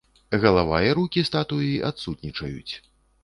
Галава і рукі статуі адсутнічаюць.